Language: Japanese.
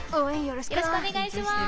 よろしくお願いします！